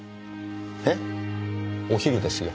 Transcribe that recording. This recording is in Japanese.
えっ？お昼ですよ。